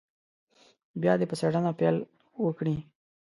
بیا دې په څېړنه پیل وکړي.